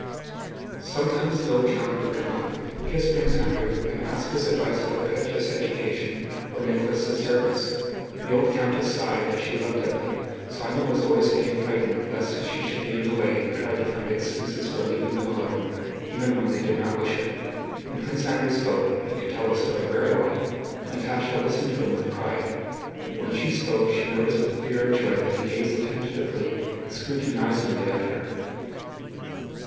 Sometimes the old count would come up, kiss Prince Andrew, and ask his advice about Pétya's education or Nicholas' service. The old countess sighed as she looked at them; Sónya was always getting frightened lest she should be in the way and tried to find excuses for leaving them alone, even when they did not wish it. When Prince Andrew spoke (he could tell a story very well), Natásha listened to him with pride; when she spoke she noticed with fear and joy that he gazed attentively and scrutinizingly at her.